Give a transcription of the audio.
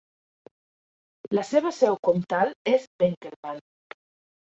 La seva seu comtal és Benkelman.